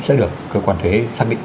sẽ được cơ quan thuế xác định